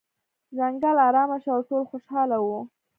ځنګل ارامه شو او ټول خوشحاله وو.